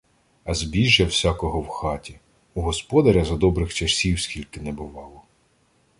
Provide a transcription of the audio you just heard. А збіжжя всякого в хаті! У господаря за добрих часів стільки не бувало.